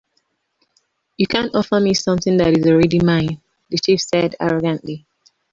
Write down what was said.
"You can't offer me something that is already mine," the chief said, arrogantly.